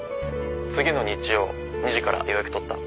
次の日曜２時から予約取った。